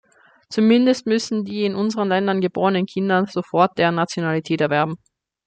Zumindest müssen die in unseren Ländern geborenen Kinder sofort deren Nationalität erwerben.